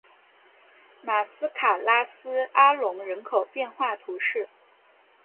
马斯卡拉斯阿龙人口变化图示